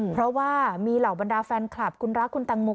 เพราะว่ามีเหล่าบรรดาแฟนคลับคุณรักคุณตังโม